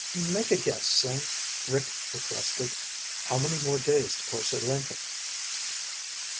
"Make a guess, Sing," Rick requested. "How many more days to Korse Lenken?"